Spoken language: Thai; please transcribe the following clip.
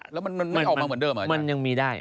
แล้วมันไม่ออกมาเหมือนเดิมหรออาจารย์